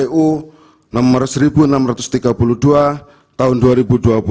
dan juga tidak mengajukan pembatalan keputusan kpu